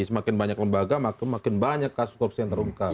semakin banyak lembaga makin banyak kasus korupsi yang terungkap